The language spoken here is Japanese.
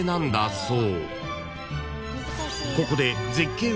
［そう。